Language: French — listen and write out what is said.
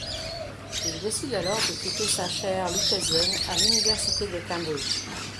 Il décide alors de quitter sa chaire lucasienne à l’université de Cambridge.